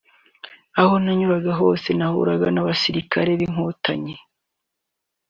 Aho hose nanyuraga nahuraga n’abasirikare b’inkotanyi